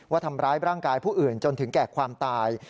ว่าทำร้ายร่างกายผู้อื่นจนถึงแก่ความตาย